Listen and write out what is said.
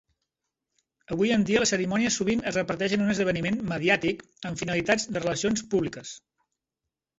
Avui en dia, la cerimònia sovint es reparteix en un esdeveniment mediàtic amb finalitats de relacions públiques.